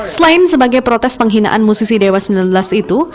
selain sebagai protes penghinaan musisi dewa sembilan belas itu